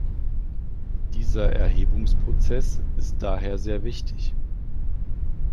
Dieser Erhebungsprozess ist daher sehr wichtig.